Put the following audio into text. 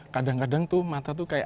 kadang kadang tuh mata tuh kayak